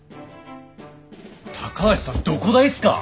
高橋さんどこ大っすか？